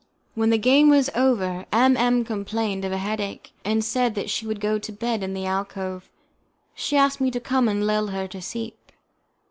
When the game was over, M M complained of a headache, and said that she would go to bed in the alcove: she asked me to come and lull her to sleep.